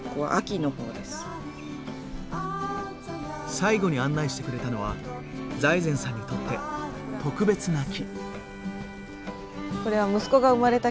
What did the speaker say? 最後に案内してくれたのは財前さんにとって特別な木。